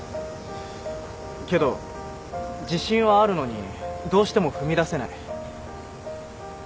けど自信はあるのにどうしても踏み出せない。